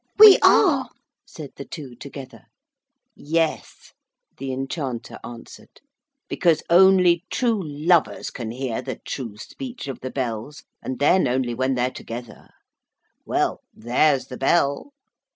'We are,' said the two together. 'Yes,' the Enchanter answered, 'because only true lovers can hear the true speech of the bells, and then only when they're together. Well, there's the bell!'